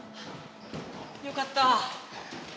よかった！